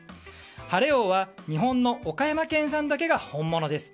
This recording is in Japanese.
晴王は日本の岡山県産だけが本物です。